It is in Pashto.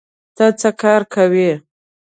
ته څه کار کوې؟